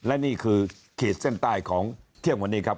อะไรวิธีเส้นใต้ของเที่ยงวันนี้ครับ